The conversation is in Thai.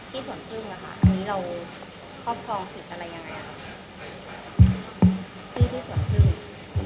ที่ส่วนคลืมว่าค่ะอันนี้เราครอบครองผิดอะไรอย่างไรค่ะ